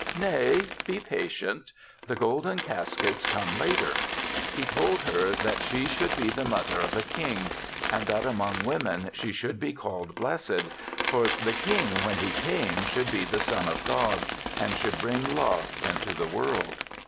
"Nay, be patient. The golden cas kets come later. He told her that she should be the mother of a King and that among women she should be called blessed; for the King when he came should be the son of God, and should bring love into the world.